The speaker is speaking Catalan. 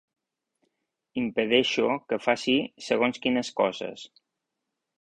Impedeixo que faci segons quines coses.